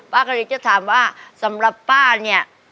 ก็เลยจะถามว่าสำหรับป้าเนี่ย